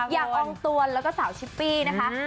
ยากองตัวและก็สาวชิปปี้นะคะ